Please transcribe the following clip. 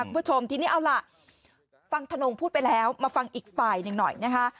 คุณผู้ชมทีนี้เอาล่ะฟังธนงพูดไปแล้วมาฟังอีกฝ่ายหนึ่งหน่อยนะคะ